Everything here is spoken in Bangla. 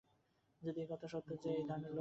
যদি এ কথা সত্য হয় তো ও-প্রকার লোক না আসাই ভাল।